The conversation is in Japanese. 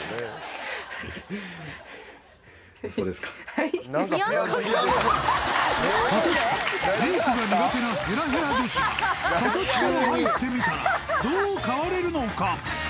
はい果たしてメイクが苦手なヘラヘラ女子が形から入ってみたらどう変われるのか？